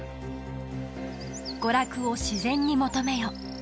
「娯楽を自然に求めよ」